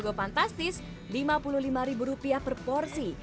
juga fantastis lima puluh lima ribu rupiah per porsi